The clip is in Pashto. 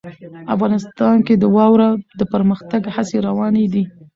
افغانستان کې د واوره د پرمختګ هڅې روانې دي.